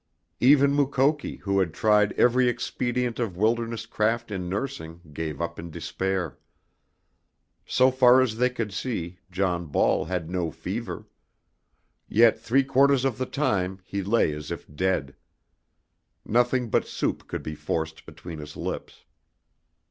Even Mukoki, who had tried every expedient of wilderness craft in nursing, gave up in despair. So far as they could see John Ball had no fever. Yet three quarters of the time he lay as if dead. Nothing but soup could be forced between his lips.